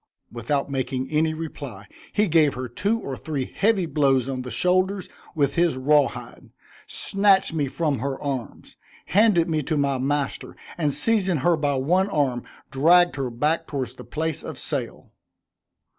Without making any reply, he gave her two or three heavy blows on the shoulders with his raw hide, snatched me from her arms, handed me to my master, and seizing her by one arm, dragged her back towards the place of sale.